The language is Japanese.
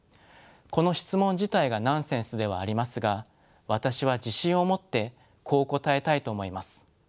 この質問自体がナンセンスではありますが私は自信を持ってこう答えたいと思います。